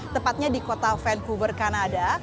tepatnya di kota vancouver kanada